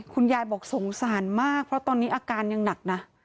คุณยายบอกสงสารมากเพราะตอนนี้อาการยังหนักนะ